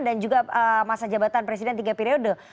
dan juga masa jabatan presiden tiga periode